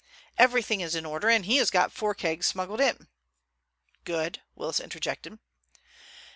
Everything is in order, and he has got four kegs smuggled in." "Good," Willis interjected.